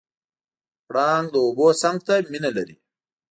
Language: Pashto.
پړانګ د اوبو څنګ ته مینه لري.